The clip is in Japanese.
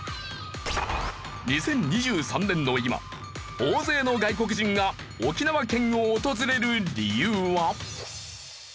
２０２３年の今大勢の外国人が沖縄県を訪れる理由は。